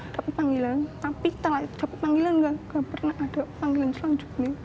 tapi panggilan tapi telah jago panggilan gak pernah ada panggilan selanjutnya